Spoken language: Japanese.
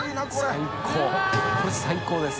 最高これ最高です。